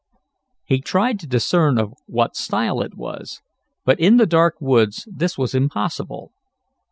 He tried to discern of what style it was, but in the dark woods this was impossible.